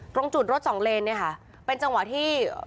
ตรงจุดรถสองเลนเป็นจังหวะที่